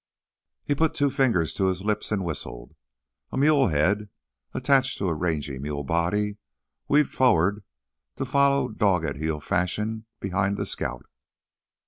He put two fingers to his lips and whistled. A mule head, attached to a rangy mule body, weaved forward to follow dog at heel fashion behind the scout.